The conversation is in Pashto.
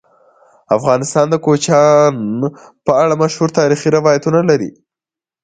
افغانستان د کوچیان په اړه مشهور تاریخی روایتونه لري.